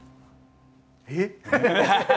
えっ！